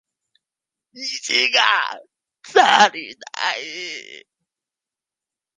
石が足りない